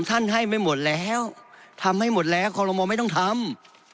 ท่านให้ไม่หมดแล้วทำให้หมดแล้วคอลโมไม่ต้องทำ